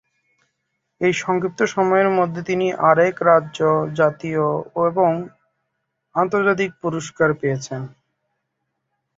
এই সংক্ষিপ্ত সময়ের মধ্যে তিনি অনেক রাজ্য, জাতীয় এবং আন্তর্জাতিক পুরস্কার পেয়েছেন।